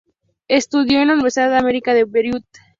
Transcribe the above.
Estudió en la Universidad Americana de Beirut.